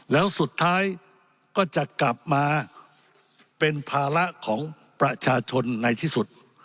แล้วสุดท้ายก็จะกลับมาเป็นภาระของประชาชนในที่สุด